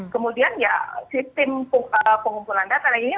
kemudian ya sistem pengumpulan data